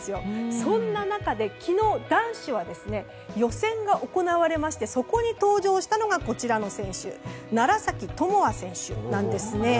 そんな中で昨日、男子は予選が行われましてそこに登場したのが楢崎智亜選手です。